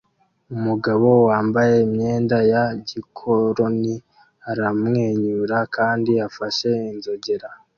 Umugabo wambaye imyenda ya gikoroni aramwenyura kandi afashe inzogera